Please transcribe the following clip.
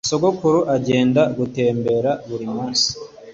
Sogokuru agenda gutembera buri munsi.